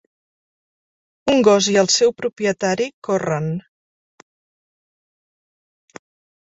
Un gos i el seu propietari corren.